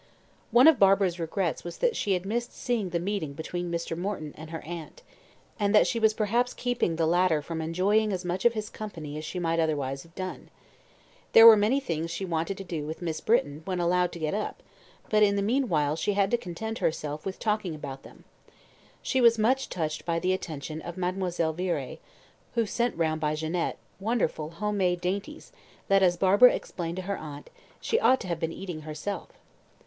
One of Barbara's regrets was that she had missed seeing the meeting between Mr. Morton and her aunt, and that she was perhaps keeping the latter from enjoying as much of his company as she might otherwise have done. There were many things she wanted to do with Miss Britton when allowed to get up, but in the meanwhile she had to content herself with talking about them. She was much touched by the attention of Mademoiselle Viré, who sent round by Jeannette wonderful home made dainties that, as Barbara explained to her aunt, "she ought to have been eating herself."